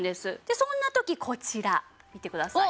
そんな時こちら見てください。